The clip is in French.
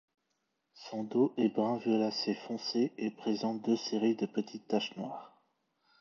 Son dos est brun violacé foncé et présente deux séries de petites taches noires.